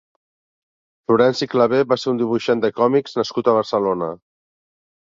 Florenci Clavé va ser un dibuixant de còmics nascut a Barcelona.